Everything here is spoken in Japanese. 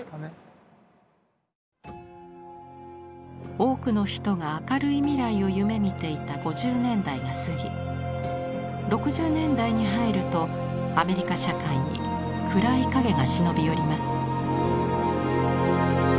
多くの人が明るい未来を夢みていた５０年代が過ぎ６０年代に入るとアメリカ社会に暗い影が忍び寄ります。